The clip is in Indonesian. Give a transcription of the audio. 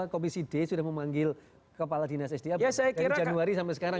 komisi d sudah memanggil kepala dinas sda dari januari sampai sekarang